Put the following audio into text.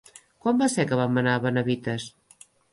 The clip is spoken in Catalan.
Quan va ser que vam anar a Benavites?